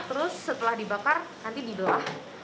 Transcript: terus setelah dibakar nanti di doang